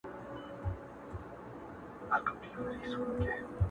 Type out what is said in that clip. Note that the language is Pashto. یوه سترګه مو روغه بله سترګه مو ړنده وي,